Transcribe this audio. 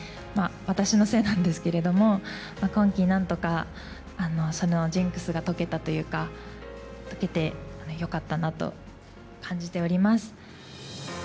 まあ私のせいなんですけれども今期なんとかそのジンクスが解けたというか解けてよかったなと感じております。